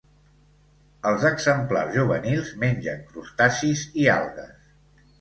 Els exemplars juvenils mengen crustacis i algues.